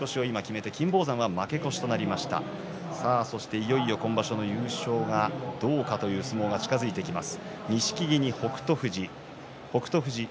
いよいよ今場所の優勝がどうかという相撲が近づいてきます。